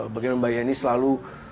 bagaimana mbak ye ini selalu